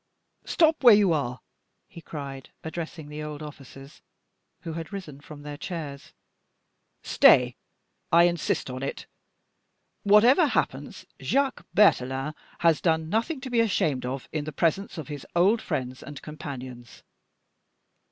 "Stop where you are!" he cried, addressing the old officers, who had risen from their chairs. "Stay, I insist on it! Whatever happens, Jacques Berthelin has done nothing to be ashamed of in the presence of his old friends and companions.